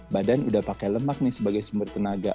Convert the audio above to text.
badan udah pakai lemak nih sebagai sumber tenaga